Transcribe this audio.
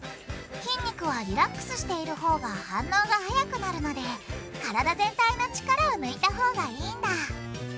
筋肉はリラックスしているほうが反応が速くなるので体全体の力を抜いたほうがいいんだ。